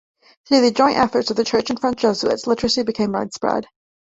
Through the joint efforts of the Church and French Jesuits, literacy became widespread.